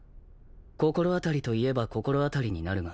心当たりといえば心当たりになるが。